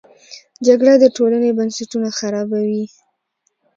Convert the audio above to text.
جګړه د ټولنې بنسټونه خرابوي